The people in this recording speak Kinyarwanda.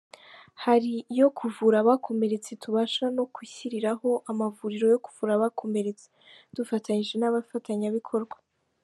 Hari iyo kuvura abakomeretse tubasha no kwishyiriraho amavuriro yo kuvura abakomeretse, dufatanyije n’abafatanyabikorwa.